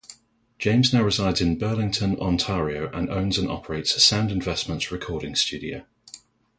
James now resides in Burlington, Ontario and owns and operates Sound Investments Recording Studio.